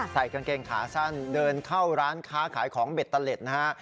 ใส่กางเกงขาสั้นเดินเข้าร้านค้าขายของเบตเตอร์เล็ดนะฮะ